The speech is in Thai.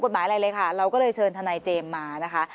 อะไรเลยค่ะเราก็เลยเชิญทนายเจมส์มานะคะ